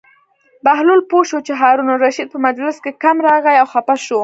بهلول پوه شو چې هارون الرشید په مجلس کې کم راغی او خپه شو.